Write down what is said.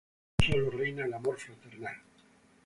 Sólo reina el amor fraternal.